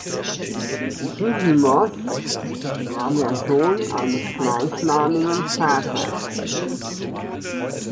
Didymos war der Sohn eines gleichnamigen Vaters.